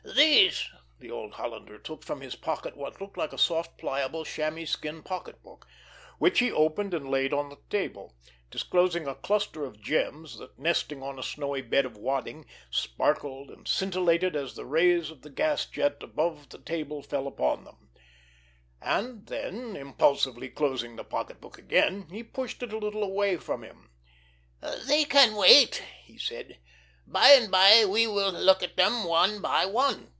"These!" The old Hollander took from his pocket what looked like a soft, pliable, chamois skin pocketbook, which he opened and laid on the table, disclosing a cluster of gems that, nesting on a snowy bed of wadding, sparkled and scintillated as the rays of the gas jet above the table fell upon them; and then, impulsively closing the pocketbook again, he pushed it a little away from him. "They can wait!" he said. "By and by, we will look at them one by one.